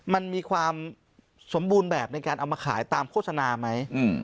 มันมีความสมบูรณ์แบบในการเอามาขายตามโฆษณาไหม